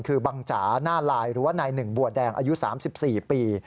คือบังจ๋าหน้าลายหรือว่านายหนึ่งบัวแดงอายุ๓๔ปี